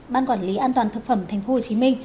ban quản lý an toàn thực phẩm tp hcm